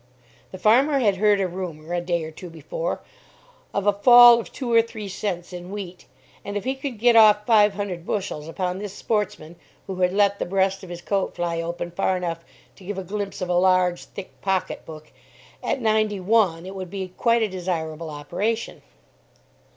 The farmer had heard a rumour, a day or two before, of a fall of two or three cents in wheat, and if he could get off five hundred bushels upon this sportsman, who had let the breast of his coat fly open far enough to give a glimpse of a large, thick pocketbook, at ninety one, it would be quite a desirable operation.